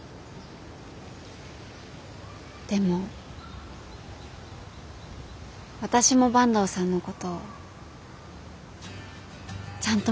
でも私も坂東さんのことちゃんと見てるんですよ。